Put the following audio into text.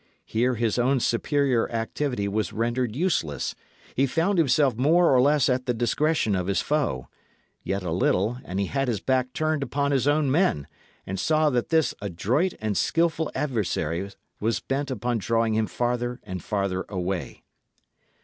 Here his own superior activity was rendered useless; he found himself more or less at the discretion of his foe; yet a little, and he had his back turned upon his own men, and saw that this adroit and skilful adversary was bent upon drawing him farther and farther away.